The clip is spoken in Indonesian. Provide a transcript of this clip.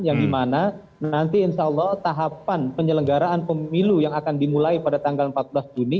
yang dimana nanti insya allah tahapan penyelenggaraan pemilu yang akan dimulai pada tanggal empat belas juni